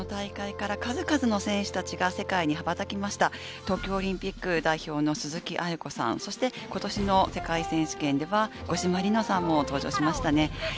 歴史ある大会から数々の選手たちが世界に羽ばたきました、東京オリンピック代表の鈴木亜由子さん、今年の世界選手権では五島莉乃さんも登場しましたね。